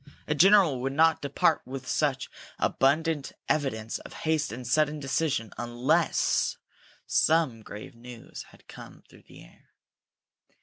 A general would not depart with such abundant evidence of haste and sudden decision unless some grave news had come through the air.